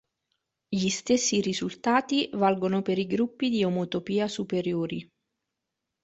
Gli stessi risultati valgono per i gruppi di omotopia superiori.